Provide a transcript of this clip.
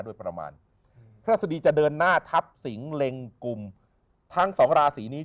โดยประมาณพระศดีจะเดินหน้าทับสิงเล็งกลุ่มทั้งสองราศีนี้